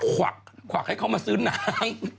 ขวักขวักให้เขามาซื้อนาง